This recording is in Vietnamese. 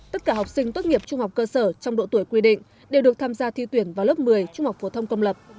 tất cả học sinh tốt nghiệp trung học cơ sở trong độ tuổi quy định đều được tham gia thi tuyển vào lớp một mươi trung học phổ thông công lập